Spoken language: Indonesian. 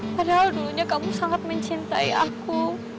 padahal dulunya kamu sangat mencintai aku